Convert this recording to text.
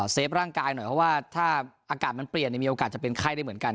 ฟร่างกายหน่อยเพราะว่าถ้าอากาศมันเปลี่ยนมีโอกาสจะเป็นไข้ได้เหมือนกัน